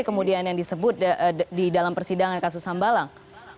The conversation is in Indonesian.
kemudian yang disebut di dalam persidangan kasus sambalang